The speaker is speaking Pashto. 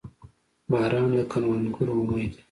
• باران د کروندګرو امید دی.